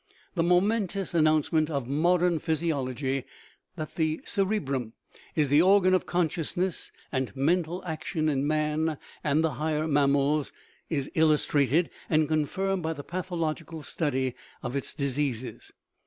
The momentous announcement of modern physiol ogy, that the cerebrum is the organ of consciousness and mental action in man and the higher mammals, is illustrated and confirmed by the pathological study of its diseases.